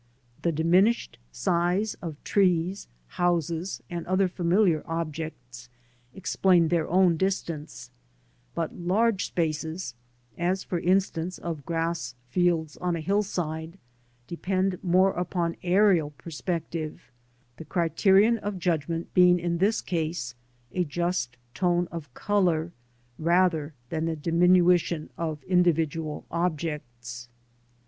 The diminished size of trees, houses, and other familiar objects explain their own distance ; but large spaces, as for instance of grass fields on a hillside, depend more upon aerial perspective, the criterion of judgment being in this case a just tone of colour ratner than the dimmution of in3ividual objects.